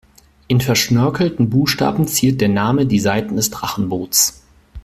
In verschnörkelten Buchstaben ziert der Name die Seiten des Drachenboots.